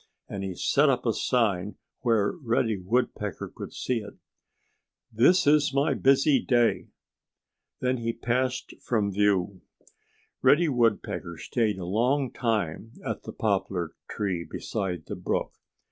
And he set up a sign where Reddy Woodpecker could see it: "This Is My Busy Day!" Then he passed from view. Reddy Woodpecker stayed a long time at the poplar tree beside the brook.